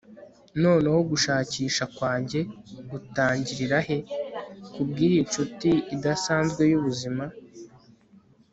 noneho gushakisha kwanjye gutangirira he, kubwiyi nshuti idasanzwe yubuzima